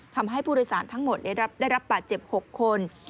ทำให้ผู้โดยสารทั้งหมดได้รับบาดเจ็บ๖คน